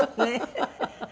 ハハハハ。